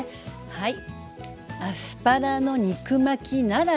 はい。